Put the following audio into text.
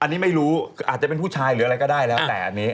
อันนี้ไม่รู้อาจจะเป็นผู้ชายหรืออะไรก็ได้แล้วแต่อันนี้